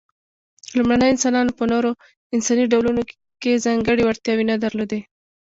لومړنيو انسانانو په نورو انساني ډولونو کې ځانګړې وړتیا نه درلودلې.